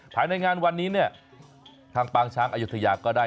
ภายในงานวันนี้เนี่ยทางปางช้างอายุทยาก็ได้